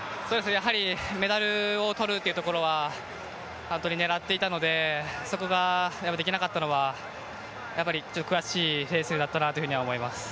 メダルを取るというところは狙っていたので、そこができなかったのはやっぱりちょっと悔しいレースだったなと思います。